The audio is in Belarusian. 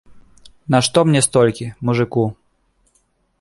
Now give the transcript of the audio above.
Нашто мне столькі, мужыку?